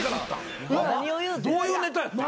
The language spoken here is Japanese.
どういうネタやってん。